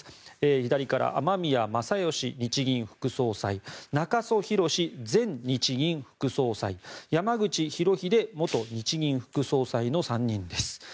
左から、雨宮正佳日銀副総裁中曽宏前副総裁山口廣秀元日銀副総裁の３人です。